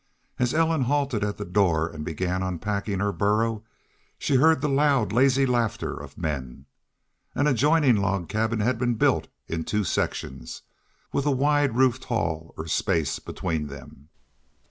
As Ellen halted at the door and began unpacking her burro she heard the loud, lazy laughter of men. An adjoining log cabin had been built in two sections, with a wide roofed hall or space between them.